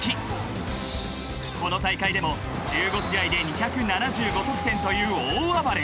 ［この大会でも１５試合で２７５得点という大暴れ］